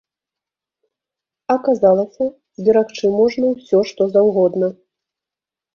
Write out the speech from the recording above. Аказалася, зберагчы можна ўсё, што заўгодна.